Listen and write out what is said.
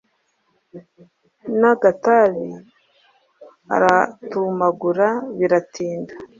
n’agatabi aratumagura biratinda